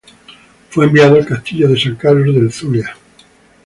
Fue enviado al Castillo de San Carlos del Zulia.